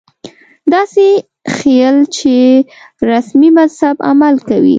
داسې ښييل چې رسمي مذهب عمل کوي